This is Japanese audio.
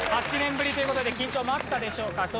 ８年ぶりという事で緊張もあったでしょうか？